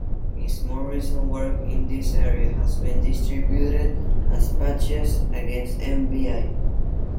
His more recent work in this area has been distributed as patches against nvi.